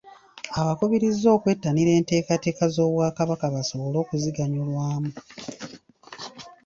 Abakubirizza okwettanira enteekateeka z’Obwakabaka basobole okuziganyulwamu .